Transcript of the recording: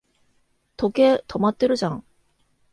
時計、止まってるじゃん